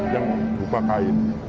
yang berupa kain